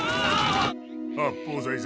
八方斎様。